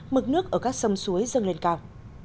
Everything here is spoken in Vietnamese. mực nước ở các sông suối dâng lên cao